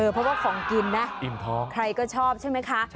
เพราะว่าของกินนะใครก็ชอบใช่ไหมคะ